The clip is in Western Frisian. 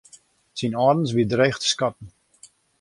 Syn âldens wie dreech te skatten.